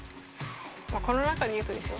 この中で言うとですよ。